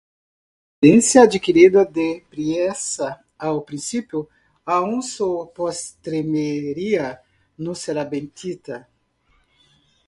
La herencia adquirida de priesa al principio, Aun su postrimería no será bendita.